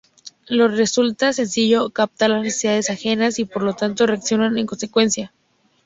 Les resulta sencillo captar las necesidades ajenas y, por lo tanto, reaccionan en consecuencia.